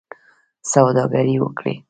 سوداګري وکړئ